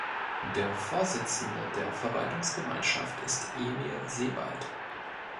Der Vorsitzende der Verwaltungsgemeinschaft ist Emil Sebald.